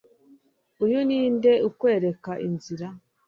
Uyu ni nde akwereka inzira